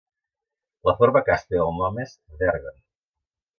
La forma càspia del nom és "Wergen".